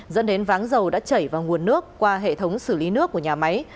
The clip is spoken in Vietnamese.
dẫn đến váng dầu đã chảy vào nguồn nước qua hệ thống xử lý nước của nhà máy